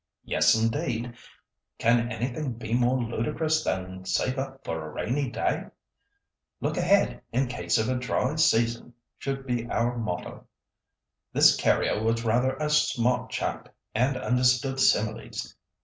"Yes, indeed. Can anything be more ludicrous than 'Save up for a rainy day?' 'Look ahead in case of a dry season,' should be our motto. This carrier was rather a smart chap, and understood similes.